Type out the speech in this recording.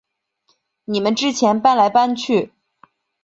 你们之前搬来搬去